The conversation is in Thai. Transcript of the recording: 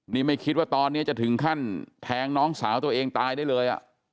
นี่ไม่คิดว่าตอนนี้จะถึงขั้นแทงน้องสาวตัวเองตายได้เลย